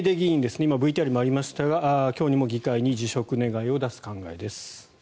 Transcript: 今、ＶＴＲにもありましたが今日にも議会に辞職願を出す考えです。